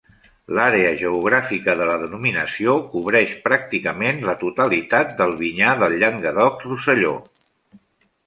L'àrea geogràfica de la denominació cobreix pràcticament la totalitat del vinyar del Llenguadoc-Rosselló.